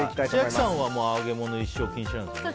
千秋さんは揚げ物一生禁止なの？